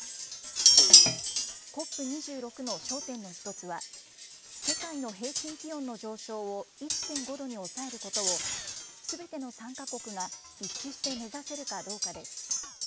ＣＯＰ２６の焦点の一つは、世界の平均気温の上昇を１．５度に抑えることを、すべての参加国が一致して目指せるかどうかです。